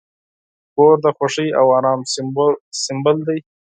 کور د خوښۍ او آرام سمبول دی.